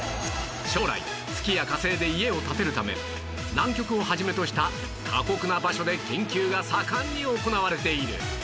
将来月や火星で家を建てるため南極を始めとした過酷な場所で研究が盛んに行われている